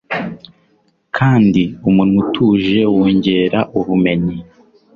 kandi umunwa utuje wongera ubumenyi